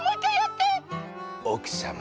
おくさま。